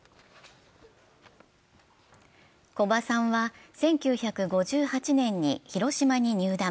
古葉さんは１９５８年に広島に入団。